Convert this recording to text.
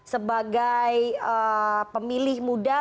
sebagai pemilih muda